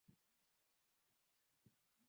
siku kadhaa tu kuokolewa Kile ambacho Antonio